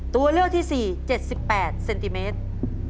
ตัวเลือกที่๔๗๘เซนติเมตร